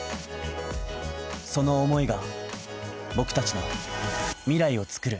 その思いが僕達の未来をつくる